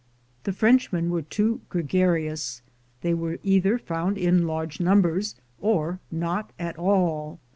The Frenchmen were too gregarious; they were either found in large numbers, or not at all.